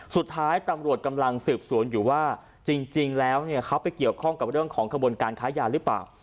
สุดท้ายตำรวจกำลังสืบสวนอยู่ว่าจริงแล้วเขาไปเกี่ยวข้องกับเรื่องของขบวนการค้ายาหรือเปล่า